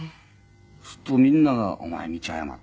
するとみんなが「お前道誤った」